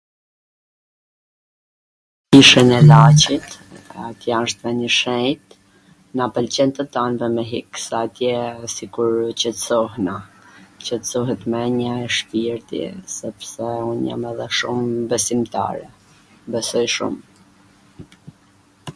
kishwn e LaCit qw asht ven i shejt, na pwlqen tw tanve me hik, se atje sikur qetsohena, qetsohet men-ja e shpirti, sepse un jam edhe shum besimtare, besoj shum